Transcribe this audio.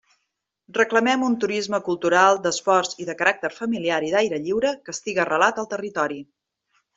Reclamem un turisme cultural, d'esports i de caràcter familiar i d'aire lliure que estiga arrelat al territori.